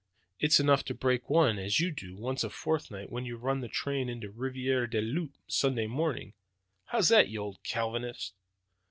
It's enough to break one, as you do once a fortnight when you run your train into Rivière du Loup Sunday morning. How's that, you old Calvinist?"